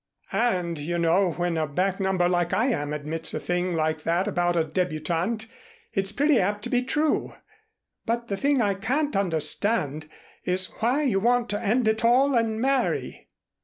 And you know when a back number like I am admits a thing like that about a débutante, it's pretty apt to be true. But the thing I can't understand is why you want to end it all and marry."